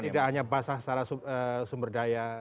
tidak hanya basah secara sumber daya